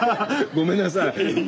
ごめんなさい。